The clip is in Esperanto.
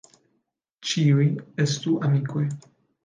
Ĉiuj estu amikoj.